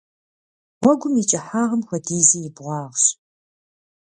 Гъуэгум и кӀыхьагъым хуэдизи и бгъуагъщ.